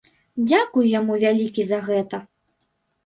Дзякуй яму вялікі за гэта.